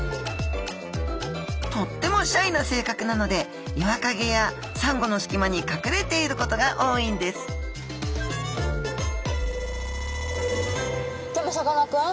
とってもシャイな性格なので岩陰やサンゴの隙間にかくれていることが多いんですでもさかなクン。